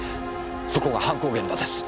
そこが犯行現場です。